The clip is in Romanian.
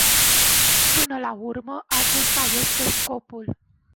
Până la urmă, acesta este scopul.